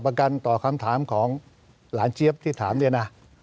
ประกันต่อคำถามของหลานเจี๊ยบที่ถามเนี่ยนะ